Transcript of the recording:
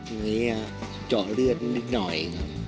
อย่างนี้เจาะเลือดนิดหน่อย